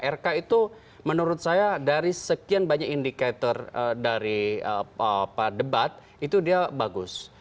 rk itu menurut saya dari sekian banyak indikator dari debat itu dia bagus